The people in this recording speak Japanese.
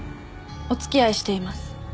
お付き合いしています。